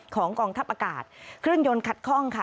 กองทัพอากาศเครื่องยนต์ขัดข้องค่ะ